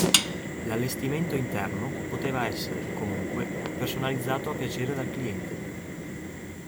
L'allestimento interno poteva essere, comunque, personalizzato a piacere dal cliente.